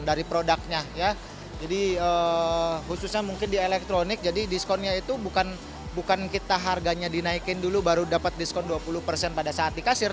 jadi khususnya mungkin di elektronik jadi diskonnya itu bukan kita harganya dinaikin dulu baru dapat diskon dua puluh persen pada saat dikasir